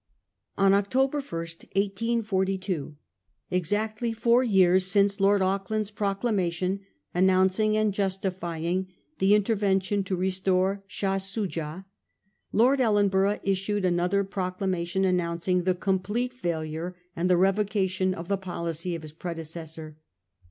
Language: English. On October 1, 1842, exactly four years since Lord Auckland's proclamation announcing and jus tifying the intervention to restore Shah Soojah, Lord Ellenborough issued another proclamation announc ing the complete failure and the revocation of the policy of his predecessor.